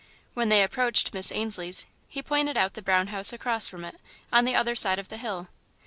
When they approached Miss Ainslie's he pointed out the brown house across from it, on the other side of the hill.